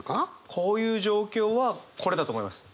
こういう状況はこれだと思います。